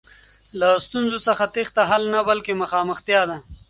له ستونزو څخه تېښته حل نه، بلکې مخامختیا ده.